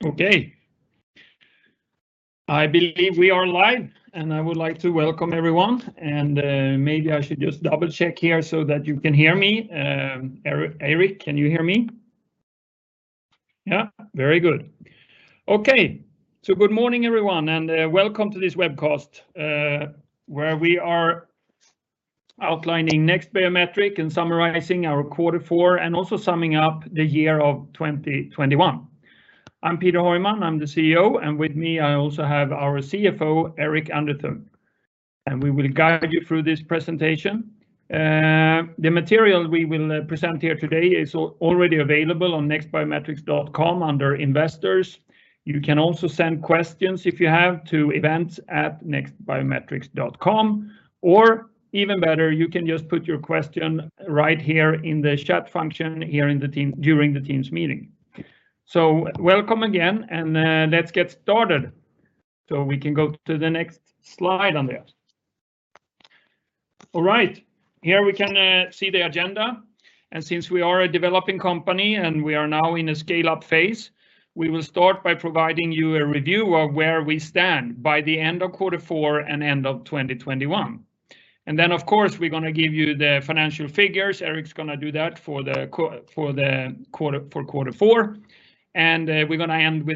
Good morning and welcome to this webcast outlining NEXT Biometrics’ results for Q4 2021 and a summary of the full fiscal year. I am Peter Heuman, CEO, and joining me is our CFO, Eirik Underthun. As a developing company now in the scale-up phase, we will begin with a review of our position at the end of Q4 2021. Our CFO, Eirik Underthun, will present the financial figures for the quarter. At the end of Q4 2021, we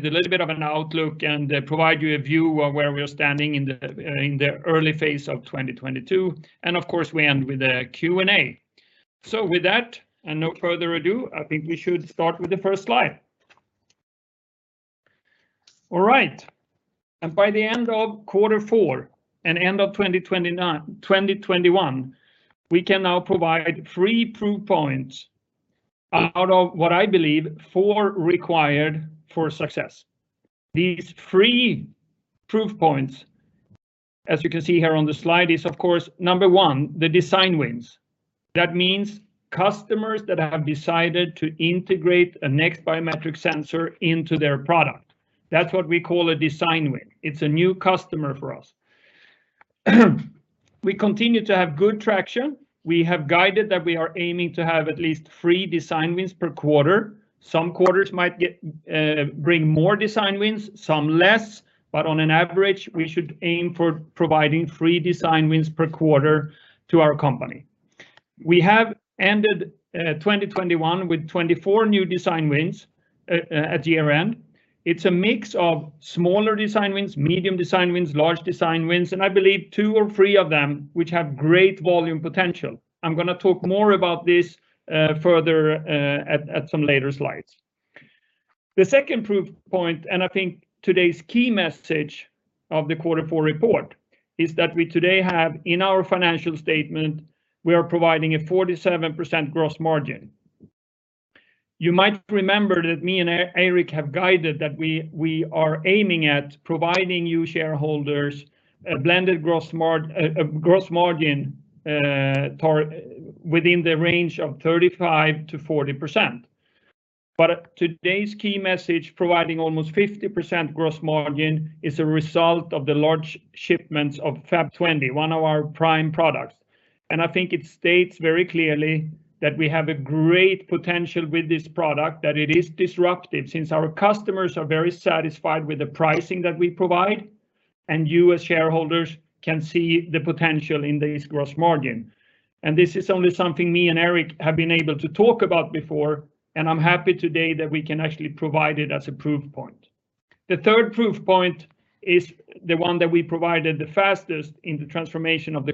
can provide three of the four proof points required for long-term success. The first is design wins, which occur when customers decide to integrate a NEXT Biometrics sensor into their product. Our 2021 portfolio includes a mix of small, medium, and large design wins, with several representing significant volume potential. The second proof point—and a key message of the Q4 report—is our achieved 47% gross margin. This performance significantly exceeds our previously guided blended gross margin target of 35%–40%. This nearly 50% gross margin is a direct result of large shipments of the FAP20, our disruptive prime product. Customer satisfaction with our pricing, combined with this margin profile, demonstrates the substantial potential of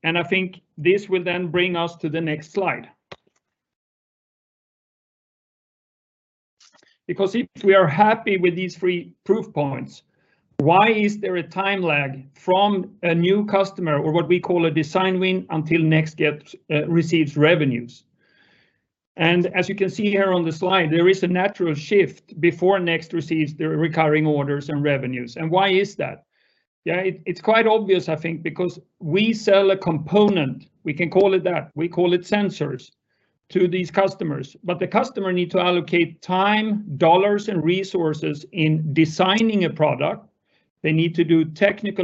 this technology. We are now transitioning this metric from a theoretical target to a verified proof point. We have successfully secured three of the four required proof points for NEXT Biometrics. The final element is revenue. While we are satisfied with our progress, there is a natural time lag between a design win and the receipt of recurring revenue. This lag occurs because our sensors are components that customers must integrate into their own finished products. This process requires significant investment in time and capital for technical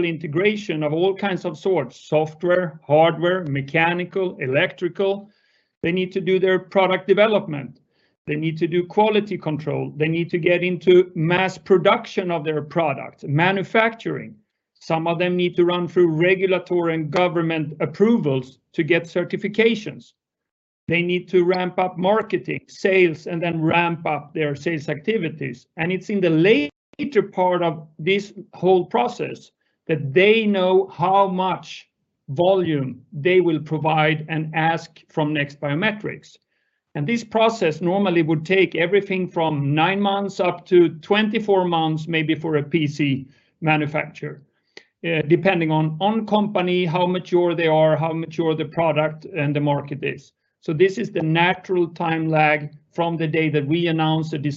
integration across software, hardware, mechanical, and electrical domains. The integration process typically ranges from 9 to 24 months, particularly for PC manufacturers, depending on the maturity of the company, the product, and the market. This structural time lag explains the delay between the announcement of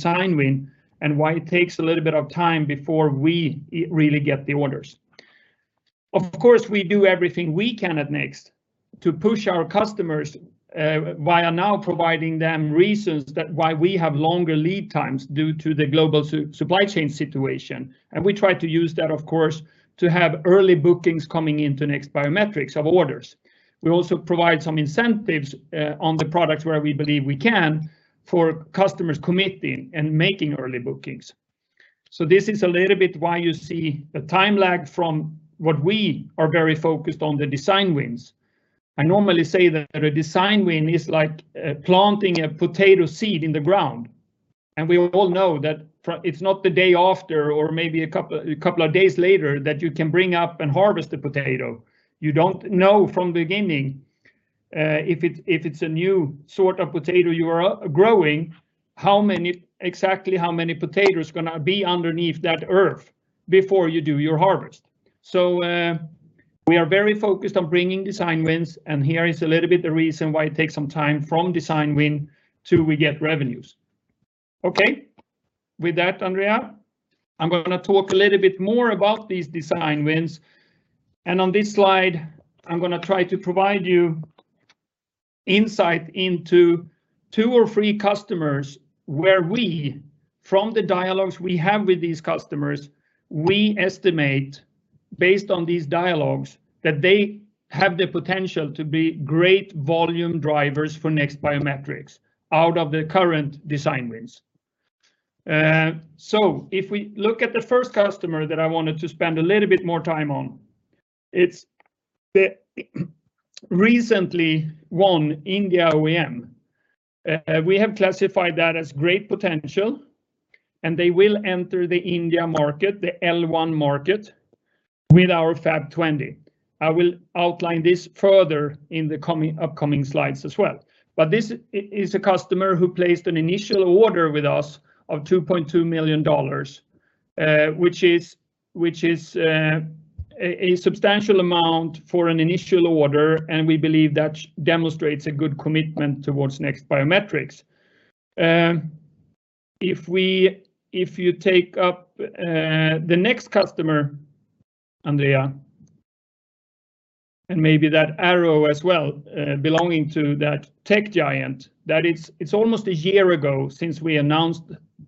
a design win and the receipt of purchase orders. I frequently compare a design win to planting a seed; harvest is not immediate. Furthermore, when introducing a new product or market segment, the exact yield—or revenue volume—cannot be precisely determined until the harvest begins. Despite this delay, we remain focused on securing design wins as they are the prerequisite for future revenue. With that, Andrea, I'm gonna talk a little bit more about these design wins, and on this slide I'm gonna try to provide you insight into 2 or 3 customers where we, from the dialogues we have with these customers, we estimate, based on these dialogues, that they have the potential to be great volume drivers for NEXT Biometrics out of the current design wins. If we look at the first customer that I wanted to spend a little bit more time on, it's the recently won India OEM. We have classified that as great potential, and they will enter the India market, the L-1 market, with our FAP20. I will outline this further in the coming, upcoming slides as well. We recently secured an initial order of $2.2 million from a new customer. This represents a substantial commitment and demonstrates strong confidence in NEXT Biometrics’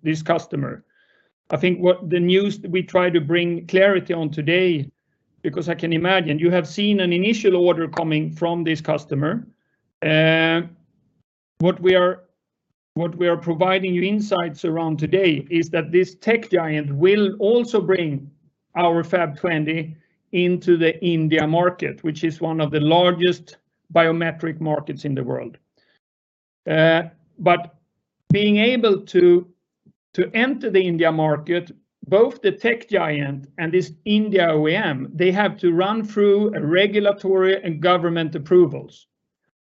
technology. Being able to enter the India market, both the tech giant and this India OEM, they have to run through a regulatory and government approvals.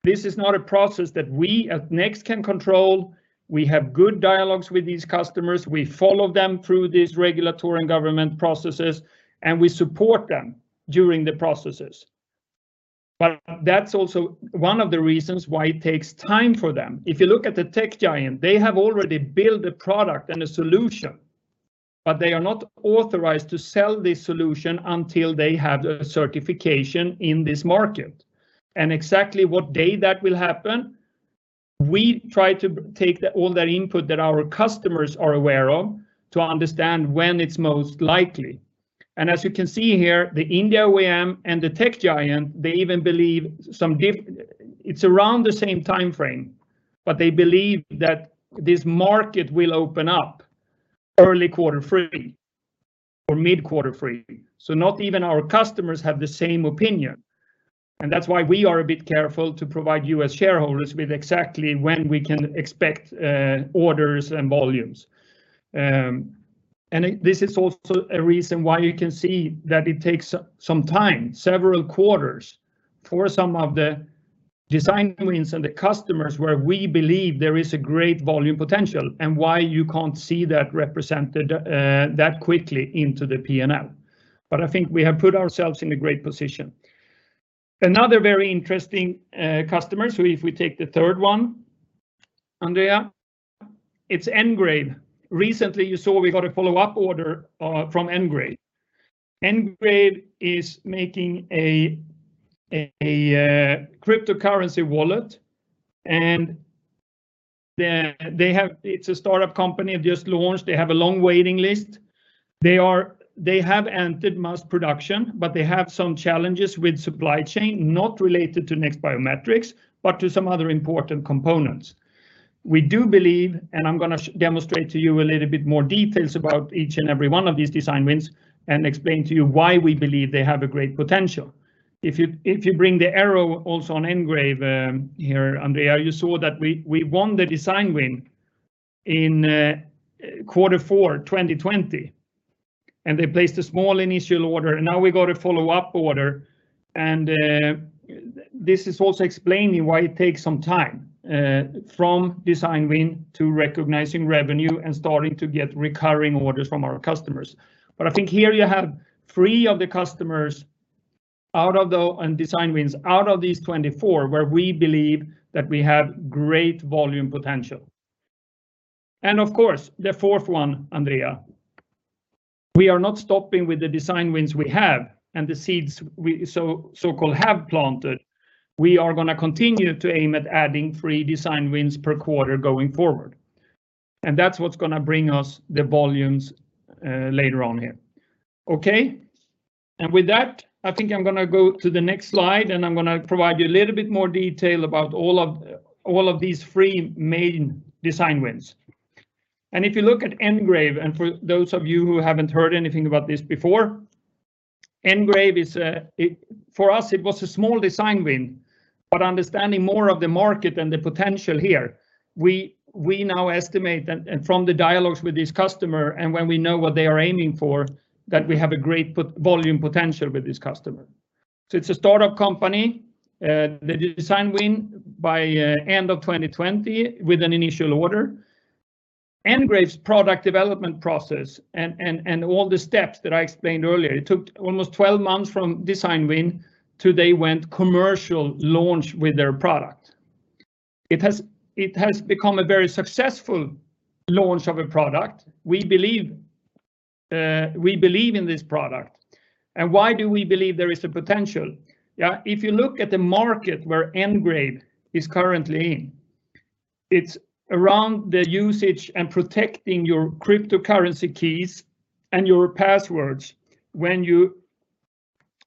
This is not a process that we at NEXT can control. We have good dialogues with these customers. We follow them through these regulatory and government processes, and we support them during the processes. That's also one of the reasons why it takes time for them. If you look at the tech giant, they have already built a product and a solution, but they are not authorized to sell this solution until they have the certification in this market, and exactly what day that will happen, we try to take all the input that our customers are aware of to understand when it's most likely. Our Indian OEM and global technology partner estimate the market will transition in Q3 2022. However, since even our primary customers hold differing opinions on the exact timing, we remain cautious in providing specific volume guidance to shareholders. This variability explains why high-potential design wins do not immediately reflect in the P&L. We recently received a follow-up order from NGRAVE, a startup that has launched a high-security cryptocurrency wallet. Despite a significant waiting list and a move into mass production, NGRAVE is managing third-party supply chain challenges unrelated to NEXT Biometrics. We have received a follow-up order, illustrating the typical duration between a design win and the recognition of recurring revenue. We have identified three specific customers within our portfolio of 24 design wins that we believe possess significant volume potential. Regarding NGRAVE, this was initially a small design win for us. However, through ongoing dialogue and a deeper understanding of their market strategy, we now estimate that this customer represents significant volume potential. NGRAVE, a startup in the high-security digital asset space, secured their design win by the end of 2020 with an initial order. The market for NGRAVE centers on protecting cryptocurrency keys and passwords during digital asset trading. This is a rapidly expanding sector; in 2021 alone, the global user base grew by 200 million, bringing the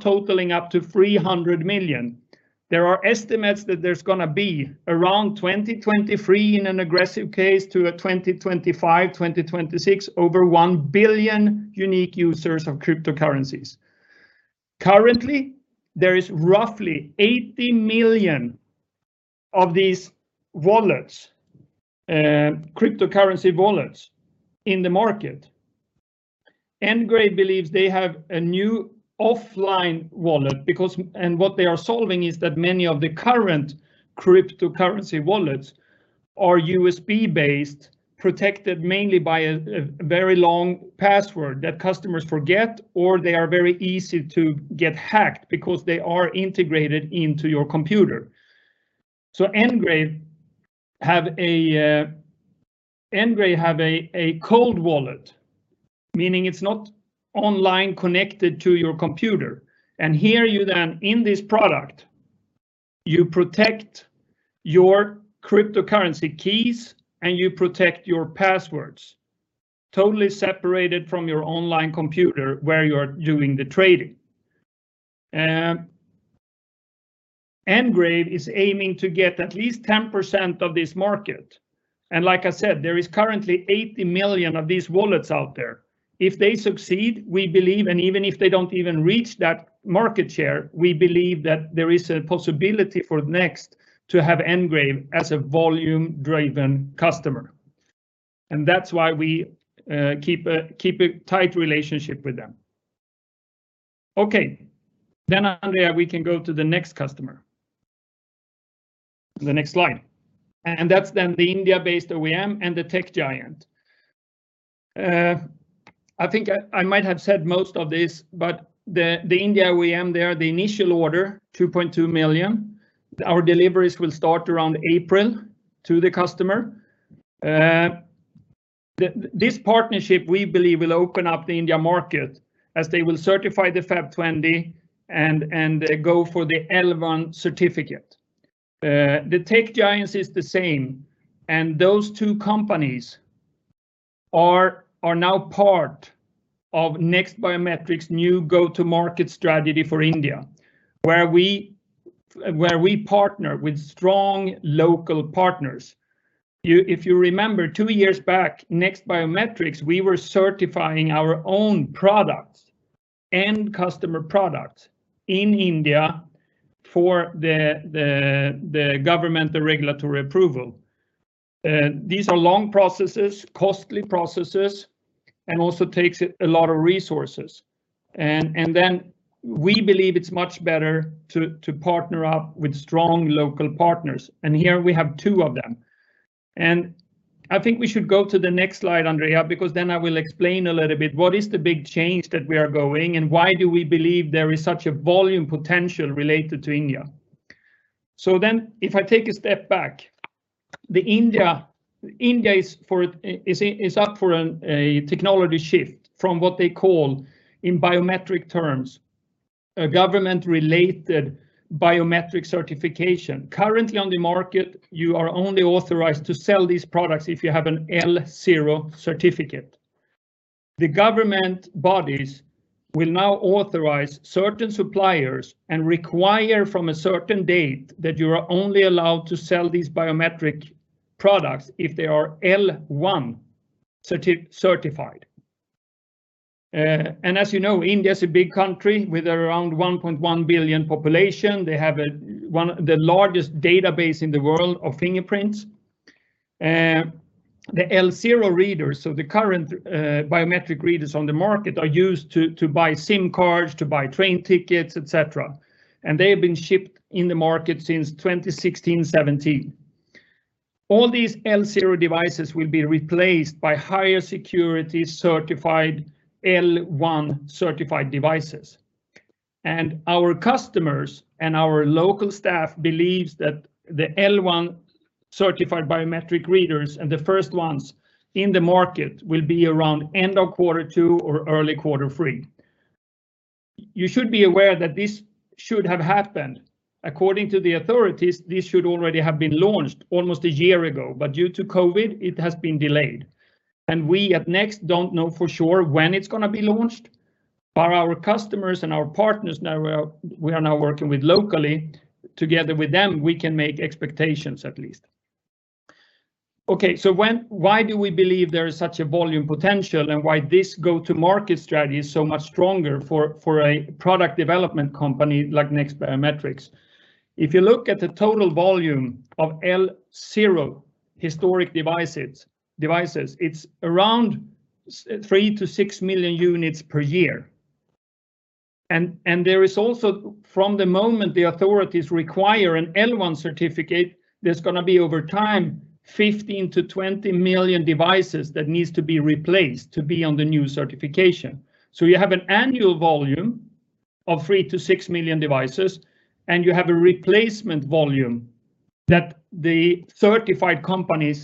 total to 300 million unique users. Many current cryptocurrency wallets are USB-based and rely on long passwords that are easily forgotten or vulnerable to hacking due to their computer integration. NGRAVE solves this with a cold wallet, which remains entirely offline and disconnected from a computer. We believe NGRAVE has the potential to become a significant volume-driven customer for NEXT Biometrics, even if they do not fully achieve their projected market share. Consequently, we maintain a close strategic relationship with them as they scale. Our partnership with a global technology leader follows the same strategic logic and is a core component of our new go-to-market strategy for India. Two years ago, NEXT Biometrics managed the government regulatory approval and product certification processes independently. These were historically long, costly, and resource-intensive operations. India is undergoing a significant technology shift in government-related biometric certification. Currently, the market is authorized only for products with an L0 certificate. However, government bodies will soon mandate that all biometric products must be L1 certified for authorized sale. All existing L0 devices must be replaced by higher-security L1-certified readers. Our customers and local teams anticipate the first L1 biometric readers will enter the market by the end of Q2 or early Q3 2022. Although authorities originally scheduled this launch for a year ago, COVID-19 related delays have shifted the timeline, and the exact launch date remains unconfirmed. Historically, the L0 market has generated annual volumes of 3 to 6 million units. However, the mandatory shift to L1 certification creates a replacement demand for an additional 15 to 20 million devices. We have optimized our go-to-market strategy by securing partnerships with two of the five major players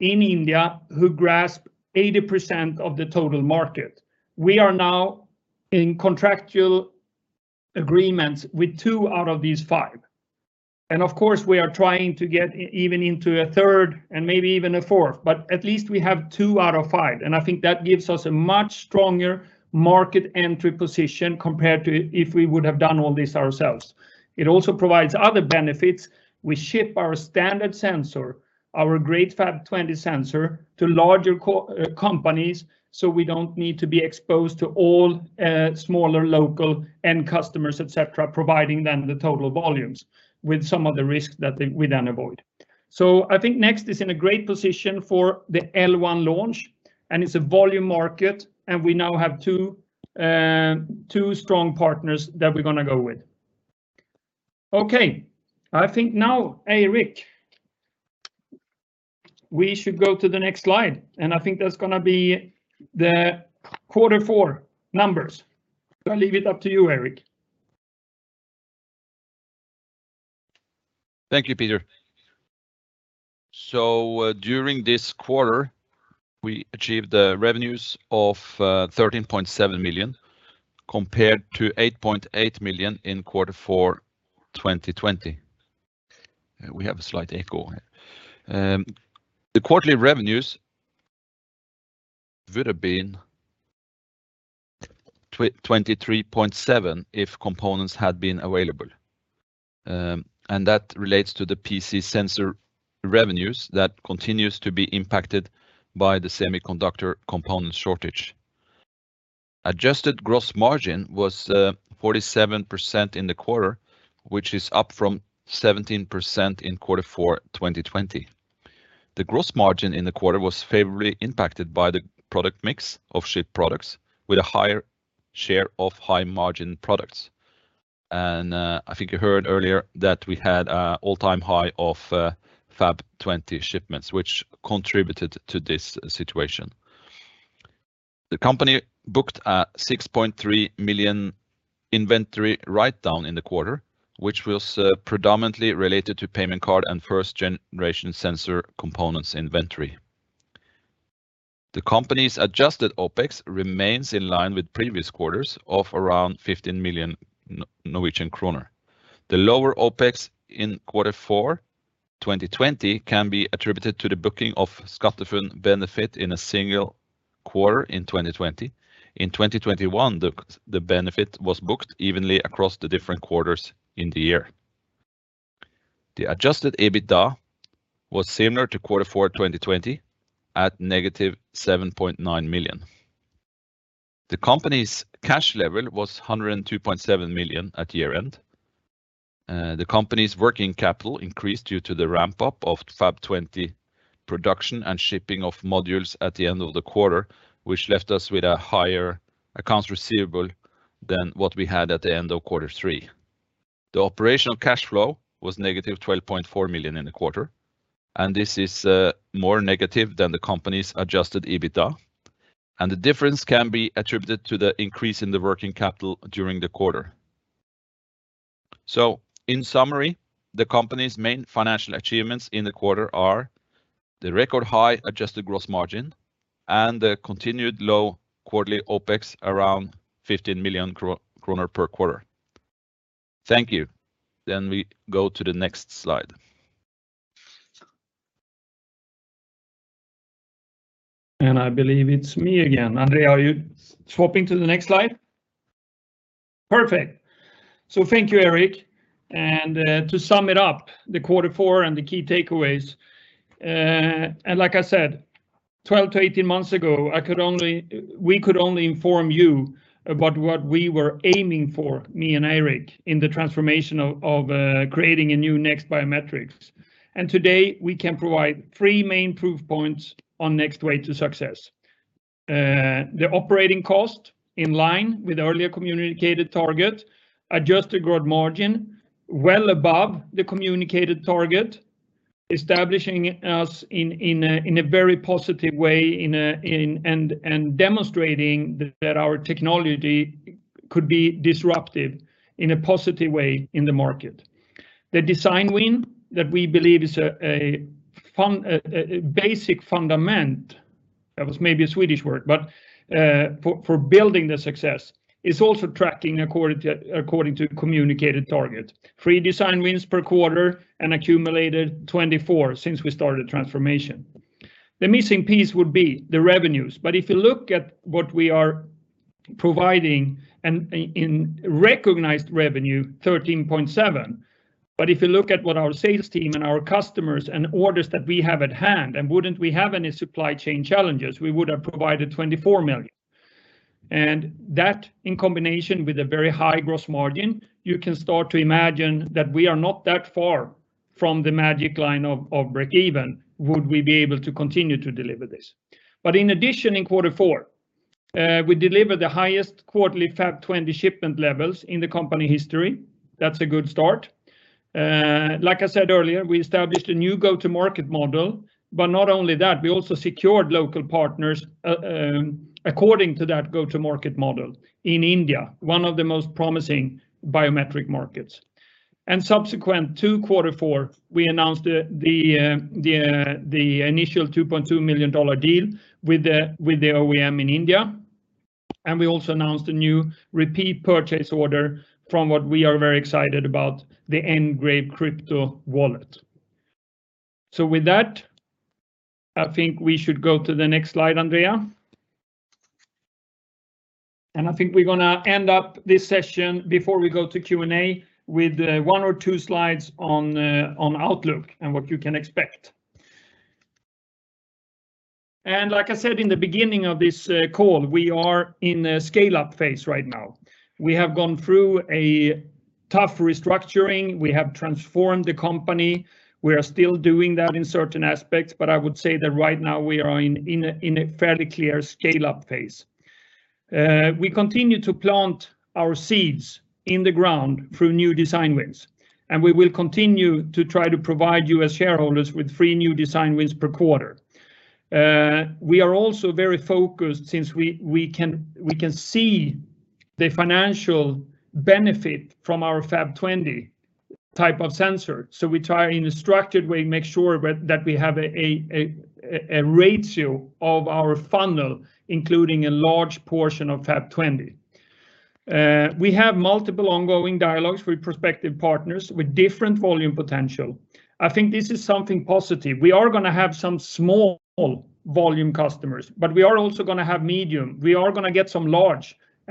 in India. We have secured contractual agreements with two of the five major players in India and are actively pursuing partnerships with a third and fourth. This approach provides a significantly stronger market entry position than independent operations. By shipping our standard FAP20 sensor to these large-scale companies, we avoid direct exposure to numerous smaller local end-customers. Eirik, we should go to the next slide, and I think that's gonna be the Q4 numbers. I'll leave it up to you, Eirik. TIn Q4 2021, we achieved revenues of 13.7 million, compared to 8.8 million in Q4 2020. Quarterly revenues would have reached 23.7 million if components had been available; this shortfall in PC sensor revenue is directly related to the global semiconductor component shortage. The company recorded a NOK 6.3 million inventory write-down, predominantly related to payment card and first-generation sensor components. Adjusted OpEx remains stable at approximately NOK 15 million. Working capital increased this quarter due to the ramp-up of FAP20 production and year-end module shipments, resulting in higher accounts receivable compared to Q3. Operational cash flow was negative 12.4 million, which is lower than our adjusted EBITDA due to this working capital shift. Our primary financial achievements remain the record-high adjusted gross margin and consistent OpEx of approximately NOK 15 million. Twelve months ago, we shared our transformation goals; today, we provide three tangible proof points of success. Operating costs and our 24 cumulative design wins are both tracking in line with targets. Most significantly, our adjusted gross margin is well above the communicated target, demonstrating that our technology is successfully disrupting the market. The remaining piece is revenue. While we recognized NOK 13.7 million, our team had orders totaling NOK 24 million that were delayed solely by supply chain challenges. Combined with our high gross margins, this indicates we are approaching the break-even point once delivery constraints ease. In addition, in Q4, we delivered the highest quarterly FAP20 shipment levels in the company history. That's a good start. Like I said earlier, we established a new go-to-market model, but not only that, we also secured local partners according to that go-to-market model in India, one of the most promising biometric markets. Subsequent to Q4, we announced the initial $2.2 million deal with the OEM in India. We also announced a new repeat purchase order from what we are very excited about, the NGRAVE crypto wallet. With that, I think we should go to the next slide, Andrea. I think we're gonna end up this session before we go to Q&A with one or two slides on the outlook and what you can expect. In Q4, we delivered the highest quarterly FAP20 shipment levels in company history. We have also validated our new go-to-market model by securing local partners in India and announcing a $2.2 million initial deal. Furthermore, we secured a repeat purchase order for the NGRAVE crypto wallet. NEXT Biometrics is now firmly in a scale-up phase. We will continue to target three new design wins per quarter,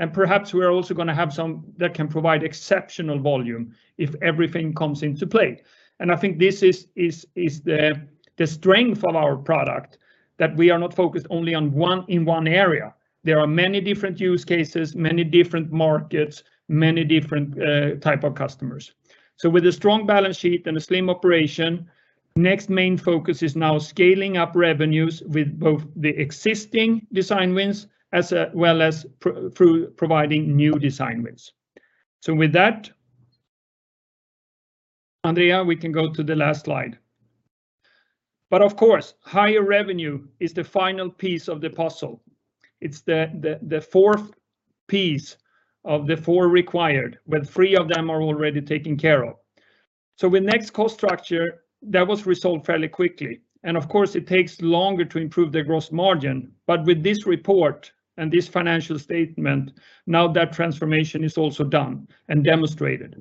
with a specific focus on maintaining a high ratio of FAP20 opportunities in our sales funnel. Our strong balance sheet and slim operations allow us to focus entirely on scaling revenue through both existing and new partnerships across diverse markets. Higher revenue is the final piece of the puzzle. While the first three requirements have been addressed—including a resolved cost structure—improving gross margin naturally takes longer. With this report, that transformation is now complete and demonstrated.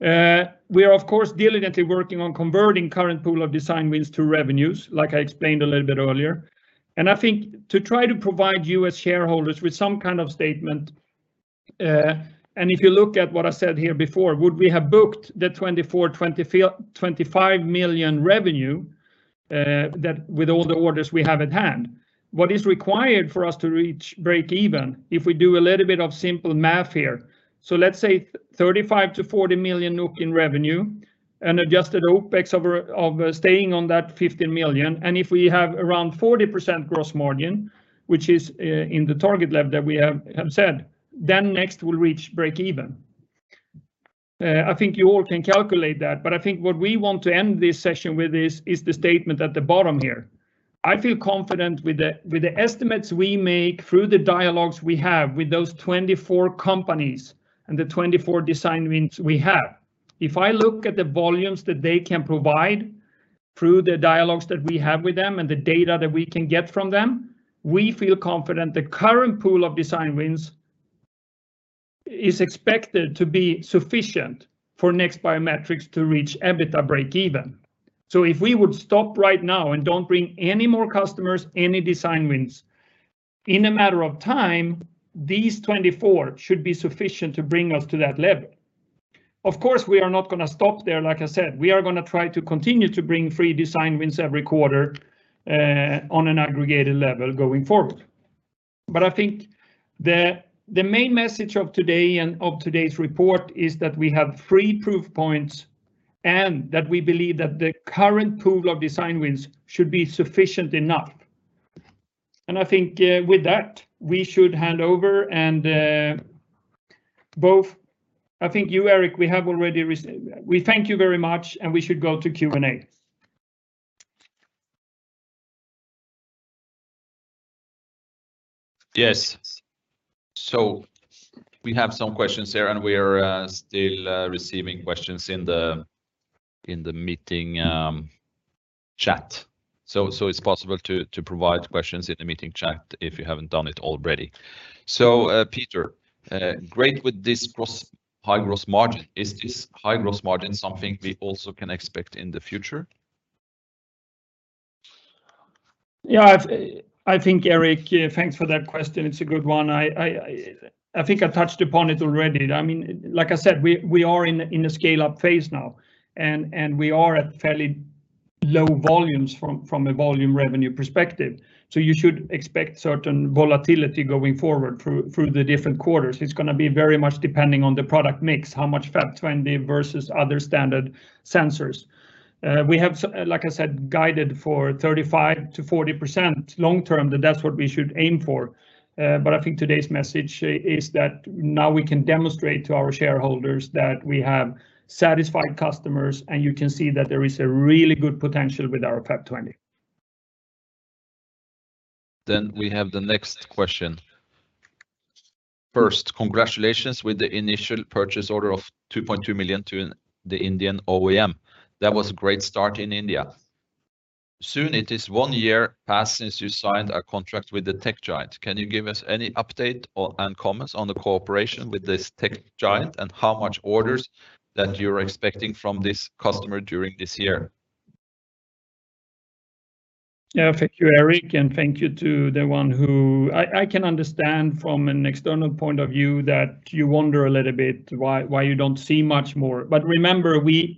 We are diligently converting our current pool of design wins into recognized revenue. To provide a clear statement to our shareholders: had we been able to fulfill all current orders on hand, we would have booked 25 million in revenue this quarter. With a 40% gross margin, which is our communicated target level, NEXT Biometrics will reach break-even. I feel confident in the estimates derived from our dialogues with the 24 companies in our portfolio. If we were to stop acquiring new customers today, our existing 24 design wins would be sufficient to reach our target levels over time. However, we intend to maintain our momentum by targeting three new design wins per quarter on an aggregated basis moving forward. We are currently receiving questions in the meeting chat, and participants are encouraged to continue submitting them. Peter, given our record adjusted gross margin this quarter, is this a level that shareholders can expect to see sustained in the future? As we are in a scale-up phase with relatively low revenue volumes, shareholders should expect some volatility in future quarters. Our gross margin remains highly dependent on the product mix—specifically the ratio of FAP20 sensors versus other standard sensors. Congratulations on the initial $2.2 million purchase order with the Indian OEM. As we approach one year since signing the contract with the global tech giant, can you provide an update on that cooperation and your order expectations for the current year? From an external perspective, the timeline for this partnership may seem extended, but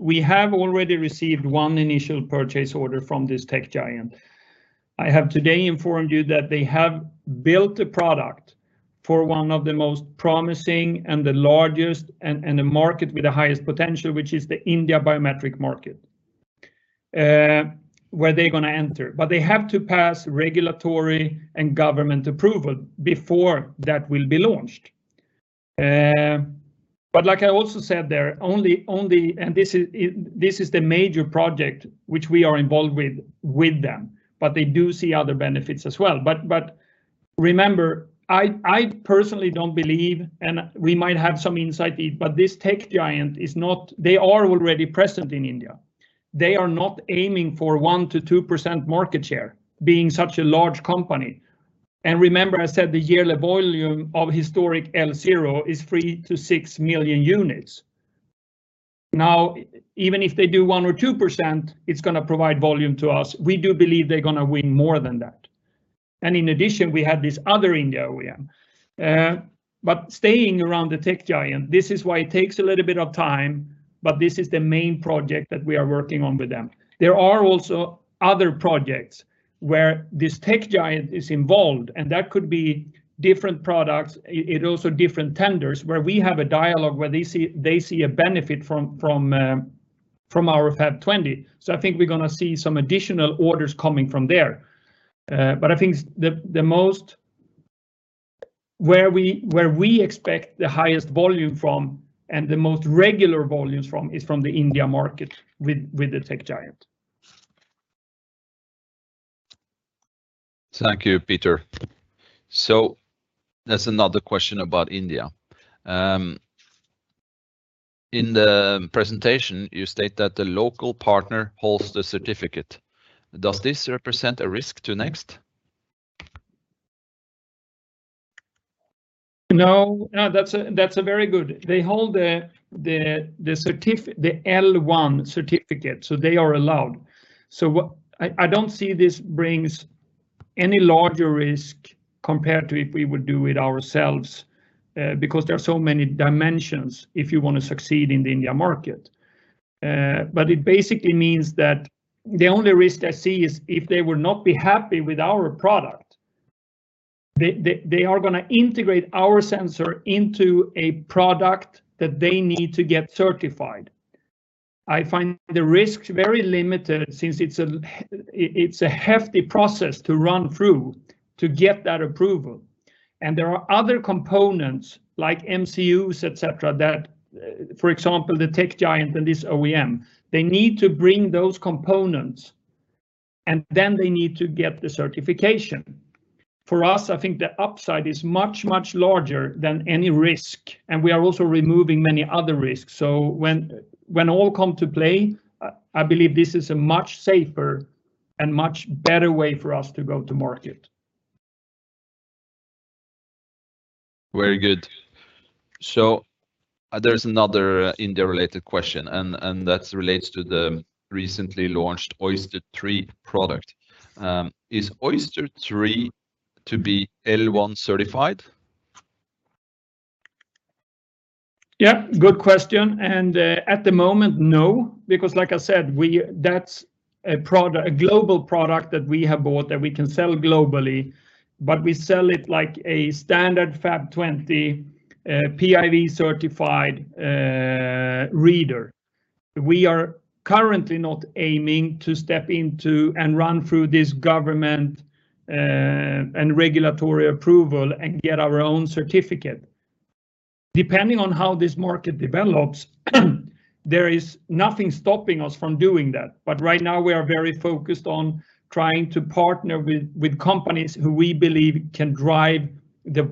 we have already received an initial purchase order from this technology giant. They have developed a product specifically for the Indian biometric market, which represents our highest volume potential. The technology giant is already established in India and is targeting a market share significantly higher than 1% to 2%. Given that the historical annual volume of L0 devices is 3 to 6 million units, even a minimal market capture provides substantial volume for NEXT Biometrics. We believe they will secure a much larger portion of the market. It also different tenders where we have a dialogue Thank you, Peter. There's another question about India. In the presentation, you state that the local partner holds the certificate. Does this represent a risk to NEXT? Our partners hold the L1 certificate, allowing them to operate in the Indian market. Entrusting this to them reduces our risk compared to an independent entry, given the multi-dimensional complexities of the region. The primary risk would be if a partner were dissatisfied with our product performance. For us, I think the upside is much, much larger than any risk, and we are also removing many other risks. When all come to play, I believe this is a much safer and much better way for us to go to market. Very good. There's another India-related question, and that relates to the recently launched Oyster III product. Is Oyster III to be L1 certified? At the moment, we are selling our PIV-certified FAP20 reader as a standard global product. We are not currently seeking independent government and regulatory approval for our own certificate. While we may consider this as the market develops, our current focus is partnering with companies that can drive the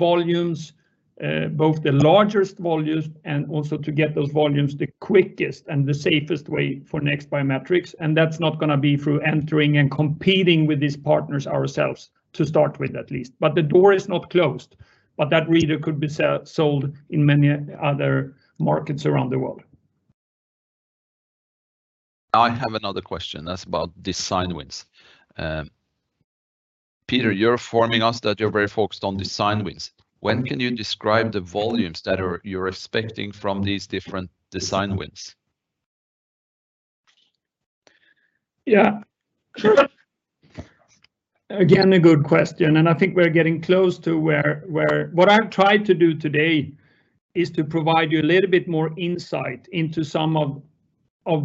largest volumes most efficiently. that reader could be sold in many other markets around the world. I have another question that's about design wins. Peter, you're informing us that you're very focused on design wins. When can you describe the volumes that you're expecting from these different design wins? Today, I have provided insight into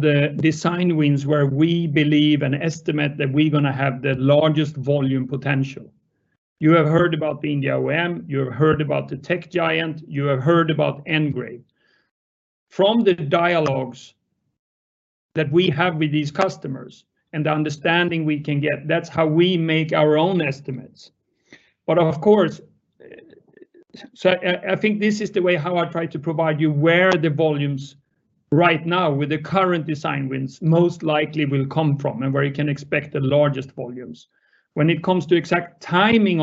the design wins with the highest estimated volume potential. These include the Indian OEM, the global technology giant, and NGRAVE. Regarding exact timing,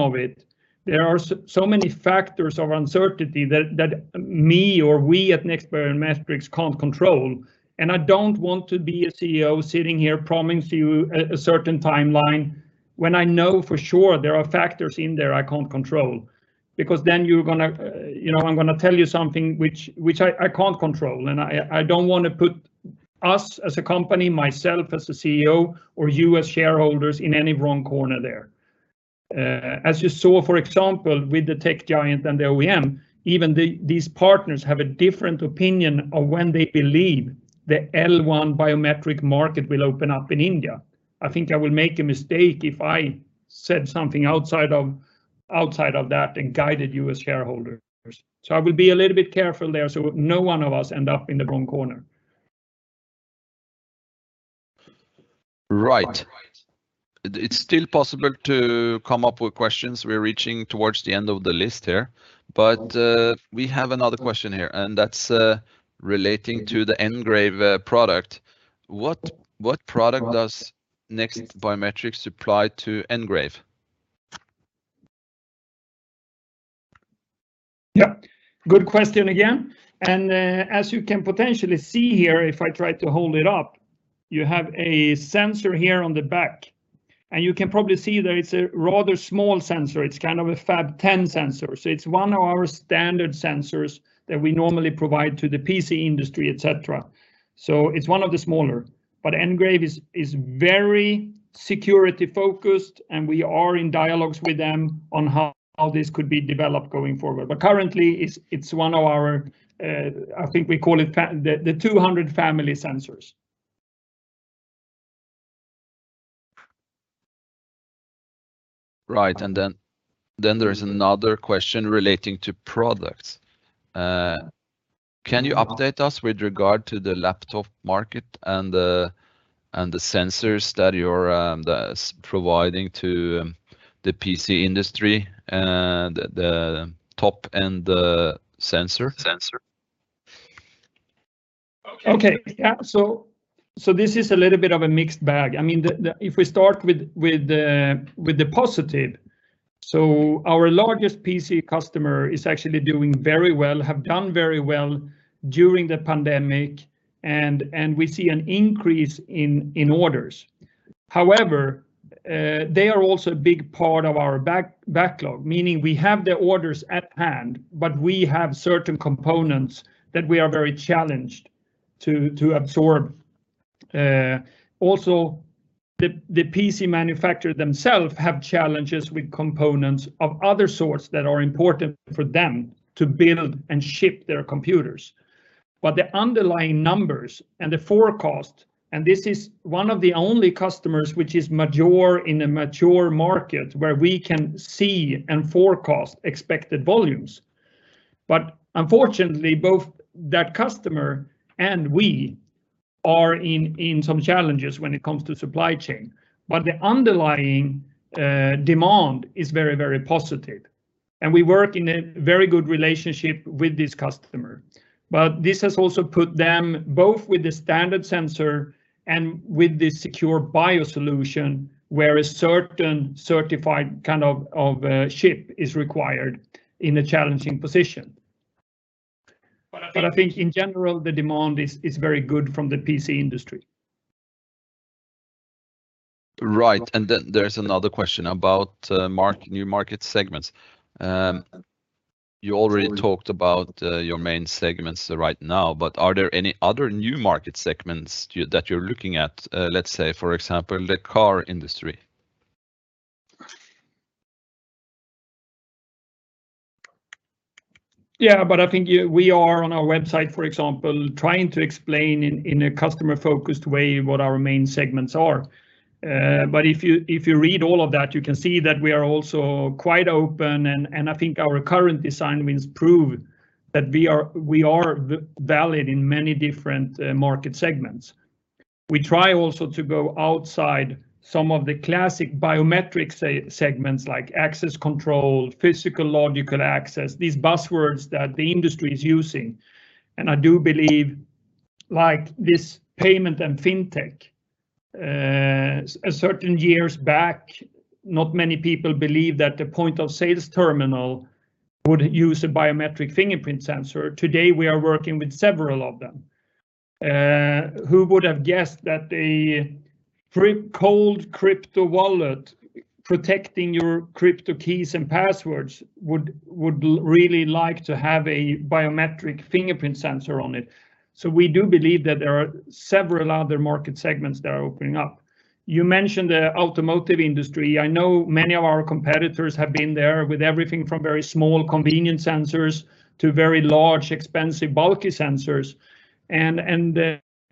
several factors of uncertainty remain outside our control. I will not provide a specific timeline for events influenced by external variables, as I want to ensure our shareholders have accurate expectations. I think I will make a mistake if I said something outside of that and guided you as shareholders. I will be a little bit careful there so no one of us end up in the wrong corner. We are reaching the end of our current inquiry list. We have a question regarding the NGRAVE product: Which specific sensor does NEXT Biometrics supply to them? We supply a small-form-factor sensor for the back of the NGRAVE device. This is a FAP10 sensor, specifically our Access 200 model, which is one of the standard sensors we typically provide to the PC industry. We have another question regarding our product line: Can you provide an update on the laptop market and the sensors we supply to the PC industry? The current situation is mixed. On a positive note, our largest PC customer is performing well and increasing their order volume. However, they represent a significant portion of our backlog because we face challenges in absorbing certain components. Both our largest PC customer and NEXT Biometrics are currently facing supply chain challenges. While underlying demand is very positive, securing specific certified chips for the SecureBio solution remains a hurdle. Despite these constraints, general demand from the PC industry remains strong. The demand is very good from the PC industry. Beyond the segments we have discussed, are there new markets you are evaluating, such as the automotive industry? Our current design wins demonstrate that our technology is valid across many different segments. We are expanding beyond traditional biometrics like physical and logical access control. For example, a few years ago, the use of fingerprint sensors in Point-of-Sale (POS) terminals was not widely anticipated today, we are working with several providers in that space. The adoption of biometric sensors in "cold" crypto wallets for protecting private keys is another emerging segment. Regarding the automotive industry, several brands have already integrated biometrics into specific vehicle lines. While competitors have entered this space with varying sensor sizes, we believe there is long-term potential for NEXT Biometrics in automotive applications. Given our success with the FAP 20 form factor,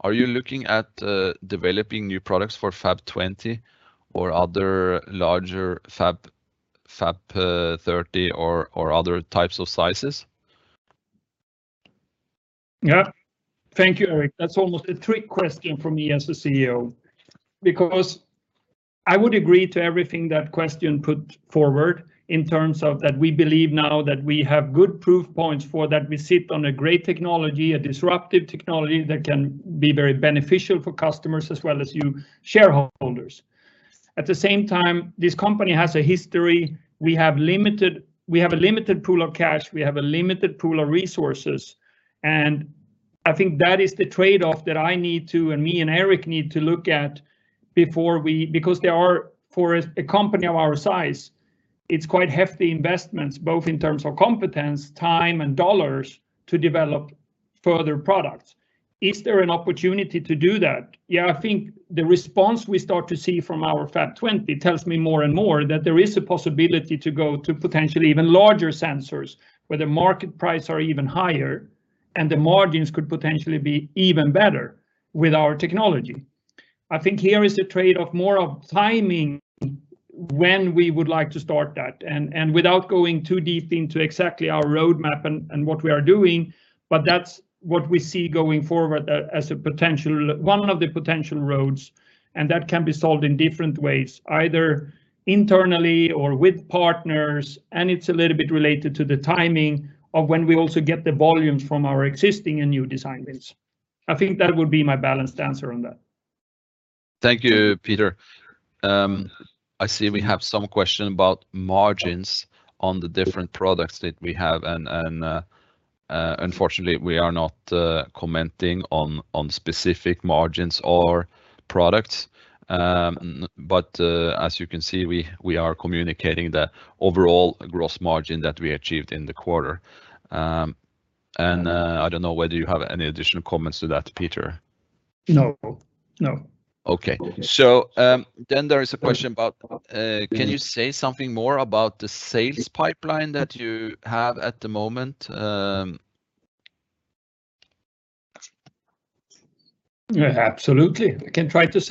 are we evaluating the development of larger sensors, such as FAP 30, or other new product sizes? Our current results provide strong proof points for our disruptive technology, which we believe is highly beneficial for both customers and shareholders. However, given our history and current resources, we must carefully evaluate the significant investments in competence, time, and capital required to develop further products. We are constantly assessing the trade-offs and opportunities for expansion within our specialized scale. The market response to our FAP 20 sensor suggests an opportunity to expand into even larger sensors where market prices and margins are significantly higher. This represents a strategic trade-off regarding the timing of our roadmap. We have received several inquiries regarding margins for individual products. We do not comment on specific product margins and instead communicate our overall quarterly gross margin. Peter, do you have any additional comments on this? No. There is a question about, can you say something more about the sales pipeline that you have at the moment? We are guiding shareholders toward a target of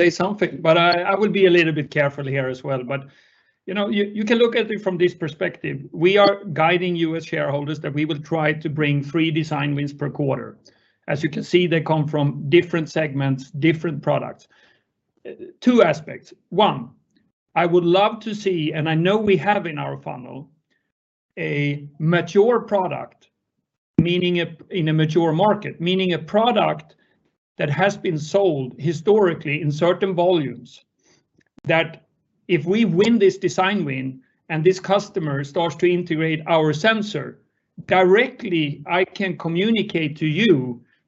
three design wins per quarter across diverse segments. Our sales funnel currently includes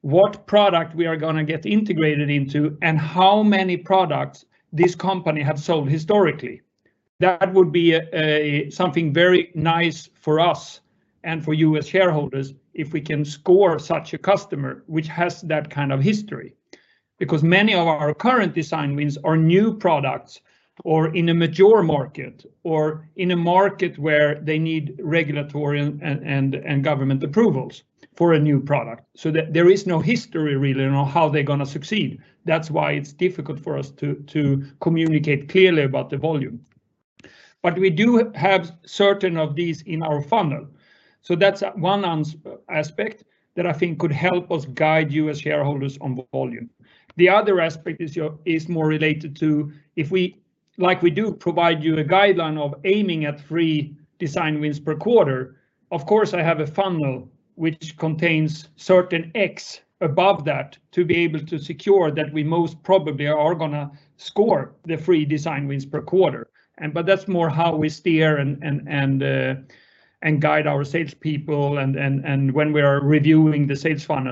products for mature markets—specifically customers with established historical sales volumes. Securing a customer with an established sales history would provide a clearer baseline for volume projections. Currently, many of our design wins involve new products in emerging markets or regions requiring regulatory approvals, where no historical performance data exists. We maintain a consistent target of three design wins per quarter. To secure this, we manage a sales funnel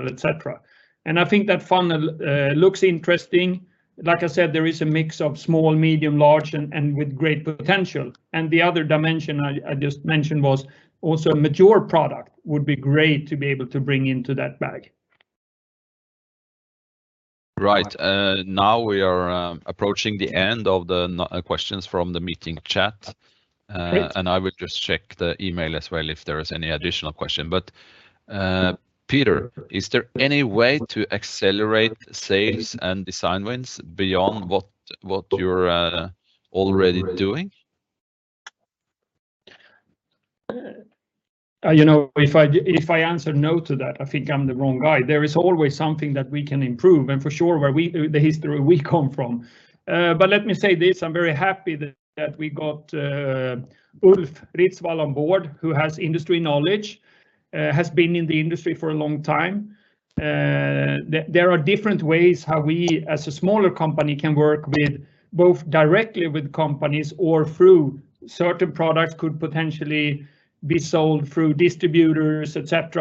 with a surplus of opportunities, which we use to guide and review our sales team's performance. Now we are approaching the end of the questions from the meeting chat. I would just check the email as well if there is any additional question. Peter, is there any way to accelerate sales and design wins beyond what you're already doing? There is always room for improvement, particularly given our history. I am pleased to have Ulf Ritsvall on board; his extensive industry knowledge is a significant asset. As a smaller company, we can engage directly with partners or sell through distributors and online channels.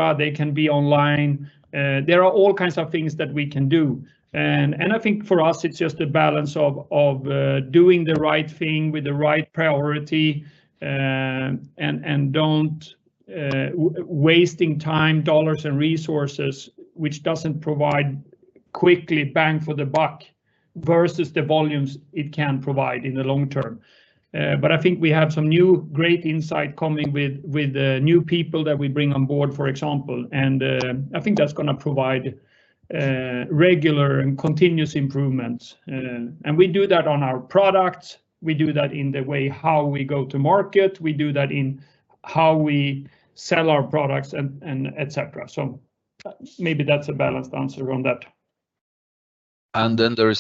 Our strategy is a balance of prioritizing actions that provide an immediate return on investment while securing long-term volumes. We are committed to resource discipline and avoiding initiatives that do not offer a clear advantage. There is a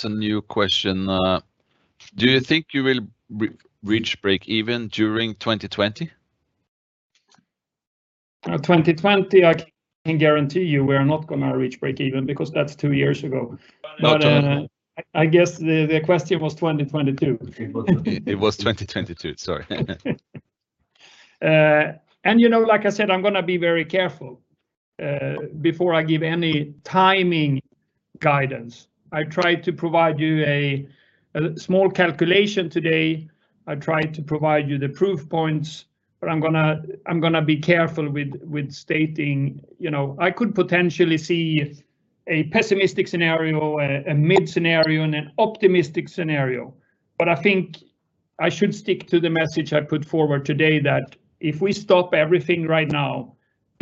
new question, do you think you will break even during 2020? 2020 I can guarantee you we are not gonna reach break even because that's two years ago. I guess the question was 2022. It was 2022, sorry. I am intentionally avoiding specific timing guidance. However, the calculation and proof points provided today demonstrate that our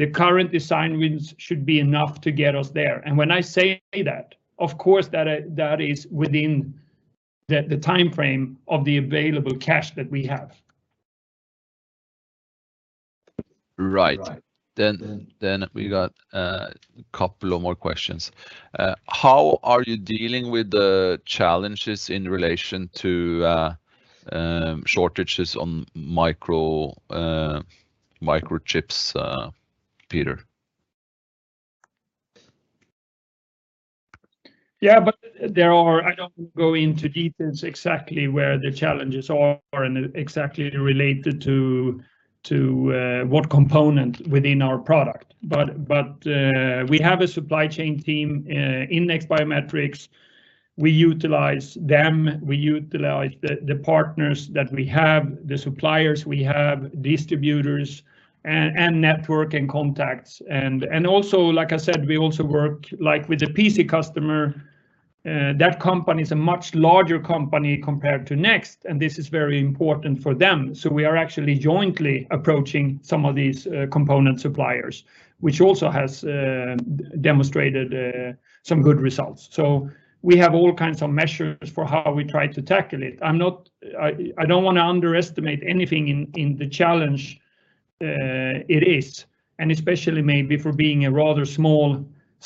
current design wins are sufficient to reach our targets. This assessment is based on our current timeframe and available cash reserves. How is NEXT Biometrics addressing the challenges related to microchip shortages? Our supply chain team is utilizing our network of suppliers, distributors, and industry contacts to manage component availability. We are also collaborating directly with our larger PC customers to jointly approach component suppliers. This coordinated strategy has already demonstrated positive results in securing necessary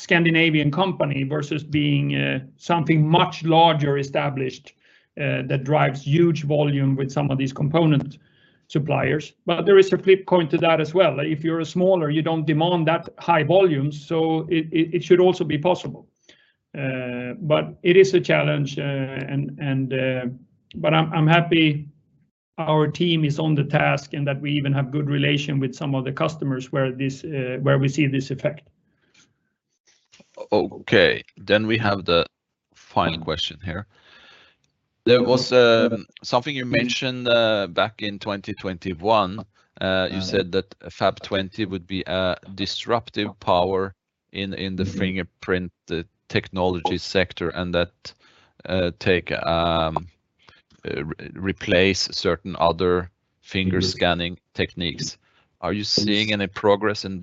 materials. Addressing supply chain challenges as a mid-sized Scandinavian firm is difficult compared to larger volume players. However, our smaller volume requirements can also be an advantage. I am confident in our team's management of these relationships and our collaboration with customers to mitigate these effects. In 2021, you stated that FAP 20 would be a disruptive force, replacing legacy technologies. Can you provide examples of design wins where customers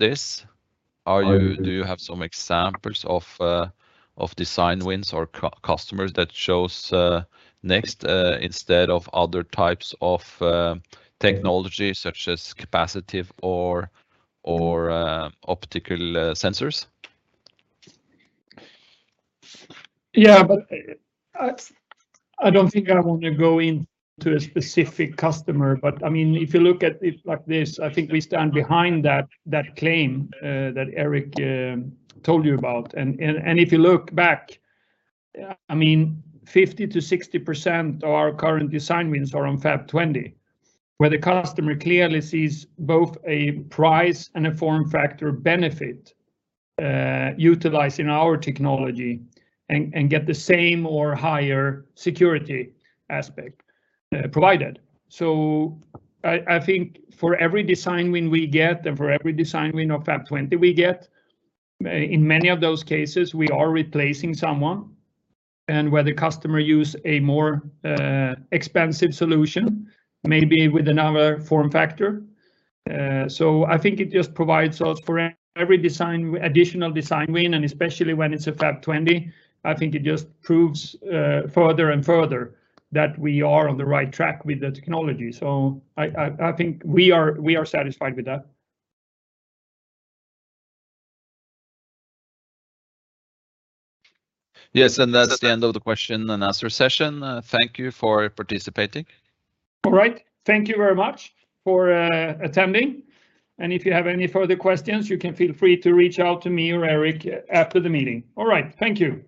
chose NEXT Biometrics over capacitive or optical sensors? Do you have some examples of design wins or customers that chose NEXT instead of other types of technology such as capacitive or optical sensors? We stand by that claim. Approximately 50%–60% of our current design wins are for FAP 20, where customers recognize benefits in both price and form factor while maintaining or improving security. In many of these cases, we are directly replacing more expensive solutions with different form factors. Each FAP 20 design win further validates our technological trajectory. Every additional design win, particularly for FAP 20, further validates our technology. We are satisfied with our current trajectory. Yes, that's the end of the question and answer session. Thank you for participating. Thank you very much for attending. If you have any further questions, you can feel free to reach out to me or Eirik after the meeting. All right, thank you.